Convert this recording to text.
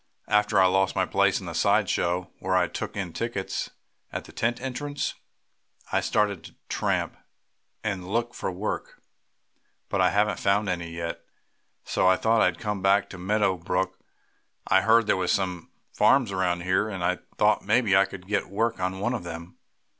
"After I lost my place in the side show, where I took in tickets at the tent entrance, I started to tramp, and look for work. But I haven't found any yet. So I thought I'd come back to Meadow Brook. I heard there were some farms around here, and I thought maybe I could get work on one of them.